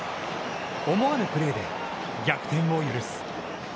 思わぬプレーで逆転を許す。